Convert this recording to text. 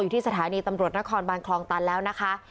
ที่สถานีตำรวจนครบานคลองตันแล้วนะคะ